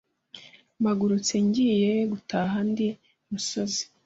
mpagurutse ngiye gutaha ndi ku musozi